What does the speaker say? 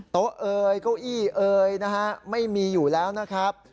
เอ่ยเก้าอี้เอยนะฮะไม่มีอยู่แล้วนะครับ